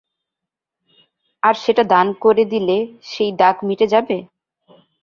আর সেটা দান করে দিলে সেই দাগ মিটে যাবে?